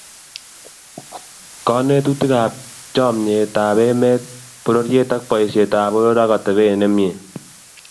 Konetutikab chametab emet, pororiet ak boisietab poror ak atebet nemie